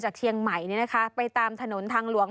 จากเชียงใหม่เนี่ยนะคะไปตามถนนทางหลวง